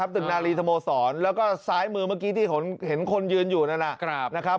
ตึกนารีสโมสรแล้วก็ซ้ายมือเมื่อกี้ที่เห็นคนยืนอยู่นั่นนะครับ